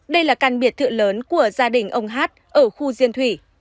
đây là căn biệt thự lớn của gia đình ông hát ở khu diên thủy